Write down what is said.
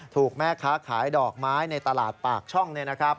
ถูกแม่ค้าขายดอกไม้ในตลาดปากช่อง